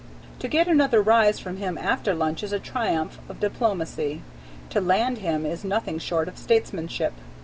To get another rise from him after lunch is a triumph of diplomacy, to land him is nothing short of statesmanship.